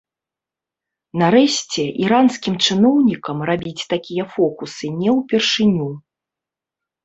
Нарэшце, іранскім чыноўнікам рабіць такія фокусы не ўпершыню.